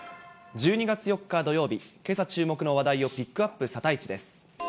１２月４日土曜日、けさ注目の話題をピックアップ、サタイチです。